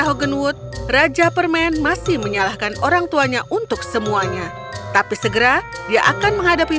hogenwood raja permen masih menyalahkan orangtuanya untuk semuanya tapi segera dia akan menghadapi